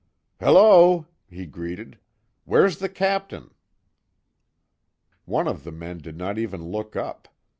"Hello," he greeted, "Where's the captain?" One of the men did not even look up.